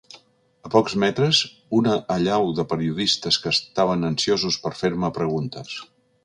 A pocs metres, una allau de periodistes que estaven ansiosos per fer-me preguntes.